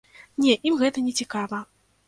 Не, ім гэта нецікава.